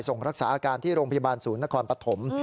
ส่งรักษาอาการที่โรงพยาบาลศูนย์นครปฐม